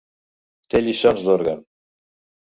Té lliçons d'òrgan.